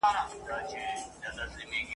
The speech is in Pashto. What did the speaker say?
چي یې منع کړي له غلا بلا وهلی !.